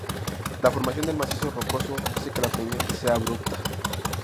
La formación del macizo rocoso hace que la pendiente sea abrupta.